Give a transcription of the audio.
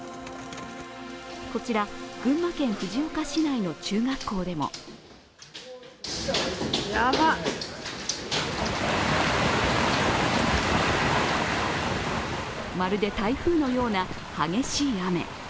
こちら、群馬県藤岡市内の中学校でもまるで台風のような激しい雨。